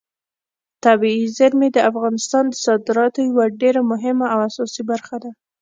طبیعي زیرمې د افغانستان د صادراتو یوه ډېره مهمه او اساسي برخه ده.